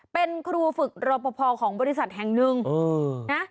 เป็นครูฝึกรอปภของบริษัทแห่งหนึ่งนะ